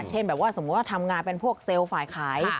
เช่นแบบว่าสมมุติว่าทำงานเป็นพวกเซลล์ฝ่ายขาย